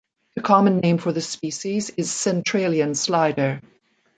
The common name for the species is centralian slider.